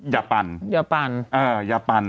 อย่าปั่น